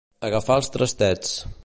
Agafar els trastets.